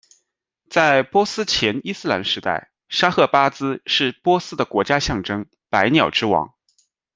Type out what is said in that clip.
在波斯前伊斯兰时代，沙赫巴兹是波斯的国家象征、百鸟之王。